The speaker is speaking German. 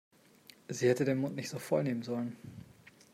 Sie hätte den Mund nicht so voll nehmen sollen.